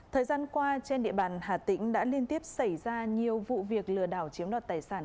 thời gian qua trên địa bàn hà tĩnh đã liên tiếp xảy ra nhiều vụ việc lừa đảo chiếm đoạt tài sản